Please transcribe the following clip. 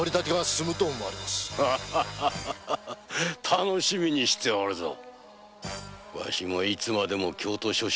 楽しみにしておるぞわしもいつまでも所司代ではない。